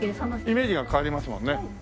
イメージが変わりますもんね。